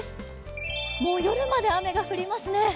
もう夜まで雨が降りますね。